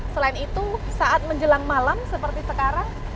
selain itu saat menjelang malam seperti sekarang